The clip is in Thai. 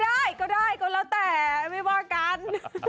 เอาก็ได้ก็แล้วแต่ไม่บอกกัน